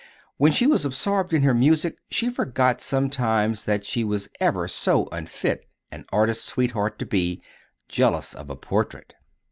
when she was absorbed in her music she forgot sometimes that she was ever so unfit an artist's sweetheart as to be jealous of a portrait.